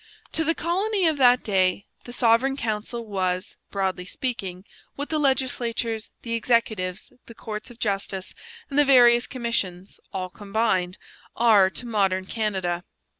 To the colony of that day the Sovereign Council was, broadly speaking, what the legislatures, the executives, the courts of justice, and the various commissions all combined are to modern Canada.